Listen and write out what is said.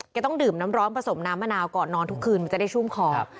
ต้องดื่มน้ำร้อนผสมน้ำมะนาวก่อนนอนทุกคืนมันจะได้ชุ่มคอ